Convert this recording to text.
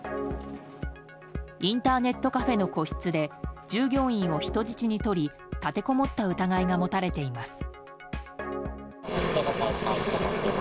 インターネットカフェの個室で従業員を人質に取り立てこもった疑いが持たれています。